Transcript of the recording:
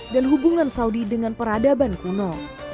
dan hubungan saudi dengan peradaban kuno